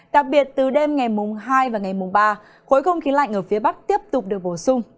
đặc biệt từ đêm ngày mùng hai và ngày mùng ba khối không khí lạnh ở phía bắc tiếp tục được bổ sung